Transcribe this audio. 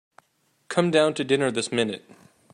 Come down to dinner this minute.